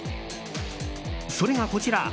それがこちら。